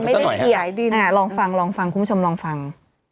ไปฟังขึ้นหน่อยครับอ่าลองฟังลองฟังคุณผู้ชมลองฟัง